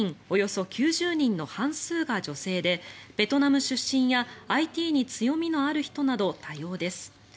およそ９０人の半数が女性でベトナム出身やＩＴに強みがある人など多様です。